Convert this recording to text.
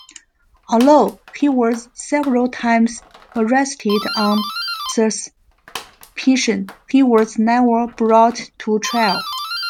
Although he was several times arrested on suspicion, he was never brought to trial.